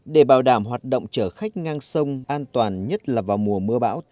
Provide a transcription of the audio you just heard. để bảo đảm hoạt động chở khách ngang sông an toàn nhất là vào mùa mưa bão